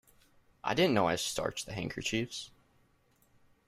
I didn’t know I starched the handkerchiefs.